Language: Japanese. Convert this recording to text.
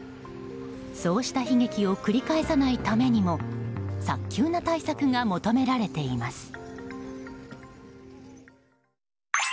そうした悲劇を繰り返さないためにも早急な対策が求められています。